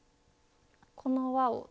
この輪を。